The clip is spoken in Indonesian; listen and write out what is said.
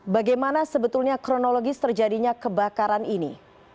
bagaimana sebetulnya kronologis terjadinya kebakaran ini